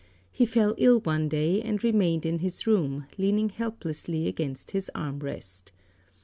He fell ill one day and remained in his room, leaning helplessly against his arm rest.